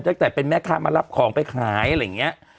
ตั้งแต่เป็นแม่ค้ามารับของไปขายอะไรอย่างนี้